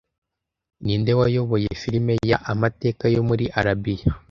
Ninde wayoboye film ya amateka yo muri Arabiya